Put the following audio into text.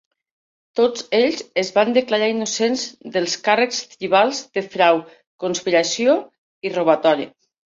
Tots ells es van declarar innocents dels càrrecs tribals de frau, conspiració i robatori.